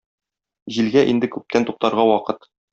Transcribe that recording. Җилгә инде күптән туктарга вакыт.